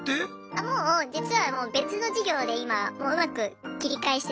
あもう実はもう別の事業で今もううまく切り返してて。